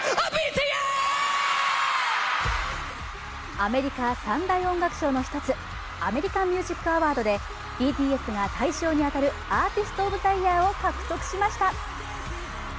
アメリカ３大音楽賞の１つ、アメリカン・ミュージック・アワードでＢＴＳが大賞に当たるアーティスト・オブ・ザ・イヤーを獲得しました。